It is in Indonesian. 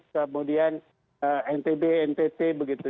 kemudian ntb ntt begitu